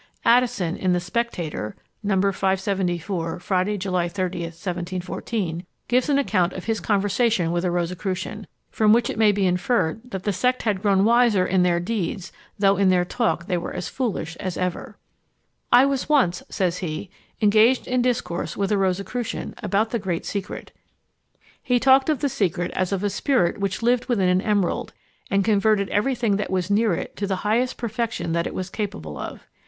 Addison, in The Spectator, gives an account of his conversation with a Rosicrucian; from which it may be inferred that the sect had grown wiser in their deeds, though in their talk they were as foolish as ever. "I was once," says he, "engaged in discourse with a Rosicrucian about the great secret. He talked of the secret as of a spirit which lived within an emerald, and converted every thing that was near it to the highest perfection that it was capable of.